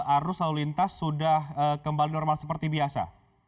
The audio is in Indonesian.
arus lalu lintas sudah kembali normal seperti biasa